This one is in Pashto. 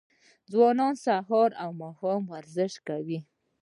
ځوانان سهار او ماښام ورزش کوي.